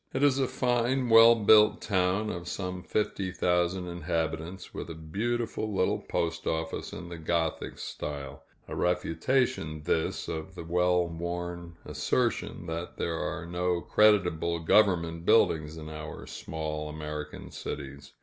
It is a fine, well built town, of some fifty thousand inhabitants, with a beautiful little postoffice in the Gothic style a refutation, this, of the well worn assertion that there are no creditable government buildings in our small American cities.